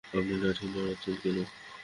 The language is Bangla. আপনি লাঠি নাড়ছেন কেন?